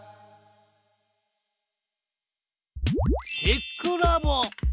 テックラボ。